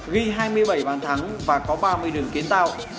ghi hai mươi bảy bàn thắng và có ba mươi đường kiến tạo